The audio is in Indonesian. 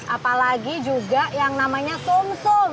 apalagi juga yang namanya sum sum